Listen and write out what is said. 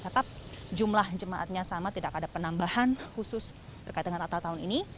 tetap jumlah jemaatnya sama tidak ada penambahan khusus terkait dengan natal tahun ini